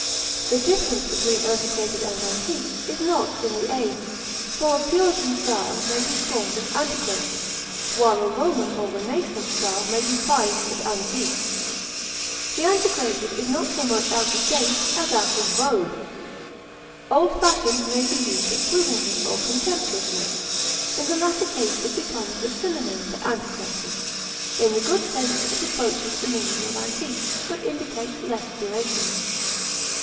The difference between antiquated and antique is not in the age, for a Puritan style may be scorned as antiquated, while a Roman or Renaissance style may be prized as antique. The antiquated is not so much out of date as out of vogue. Old fashioned may be used approvingly or contemptuously. In the latter case it becomes a synonym for antiquated; in the good sense it approaches the meaning of antique, but indicates less duration.